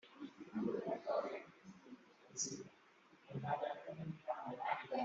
inzu ya data nuko dawidi arahira sawuli maze asubira iwe